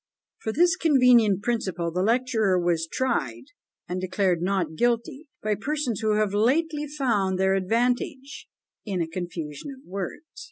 For this convenient principle the lecturer was tried, and declared not guilty by persons who have lately found their advantage in a confusion of words.